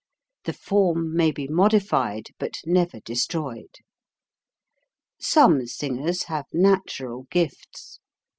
The form may be modi fied but never destroyed. Some singers have natural gifts.